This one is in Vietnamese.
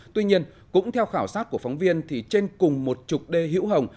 tuy nhiên cũng theo khảo sát của phóng viên thì trên cùng một chục đê hữu hồng